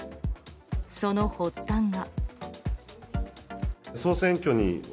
その発端が。